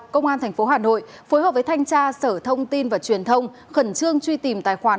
công an tp hà nội phối hợp với thanh tra sở thông tin và truyền thông khẩn trương truy tìm tài khoản